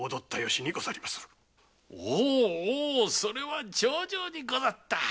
おうおうそれは上々にござった。